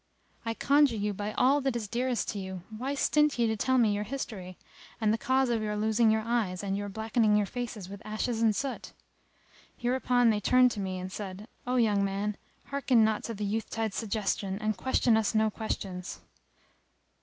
I conjure you by all that is dearest to you, why stint ye to tell me your history, and the cause of your losing your eyes and your blackening your faces with ashes and soot?" Hereupon they turned to me and said, "O young man, hearken not to thy youthtide's suggestions and question us no questions."